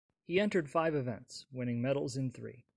He entered five events, winning medals in three.